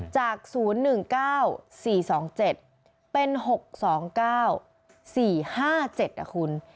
จาก๐๑๙๔๒๗เป็น๖๒๙๔๕๗นะคุณ